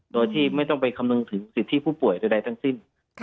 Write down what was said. โดยที่ไม่ต้องไปคำนึงถึงสิทธิผู้ป่วยใดทั้งสิ้น